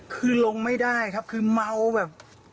คือลงไม่ได้ครับคือเมาแบบ